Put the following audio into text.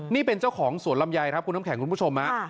นี่เป็นเจ้าของสวนลำไยครับคุณน้ำแข็งคุณผู้ชม